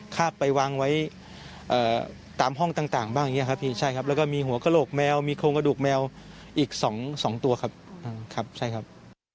ก็มีหัวกระโหลกแมวมีโครงกระดูกแมวอีกสองสองตัวครับครับใช่ครับ